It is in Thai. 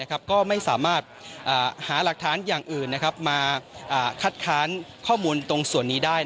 ก็ไม่สามารถหาหลักฐานอย่างอื่นมาคัดค้านข้อมูลตรงส่วนนี้ได้